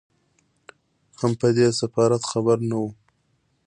هم په دې سفارت خبر نه وو.